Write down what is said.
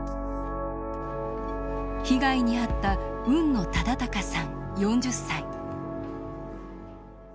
被害に遭った海野雅威さん４０歳。